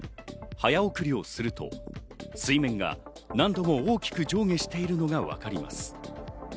早送りをすると水面が何度も大きく上下しているのがわかります。